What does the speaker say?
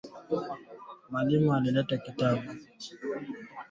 Mwalimu analeta mtiani kwa wanafunzi ndani ya darasa